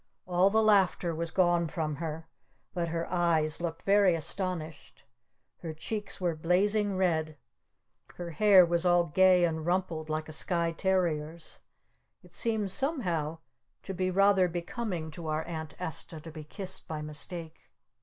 All the laughter was gone from her. But her eyes looked very astonished. Her cheeks were blazing red. Her hair was all gay and rumpled like a sky terrier's. It seemed somehow to be rather becoming to our Aunt Esta to be kissed by mistake.